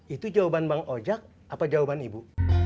itu jawaban bang ojek apa jawaban ibu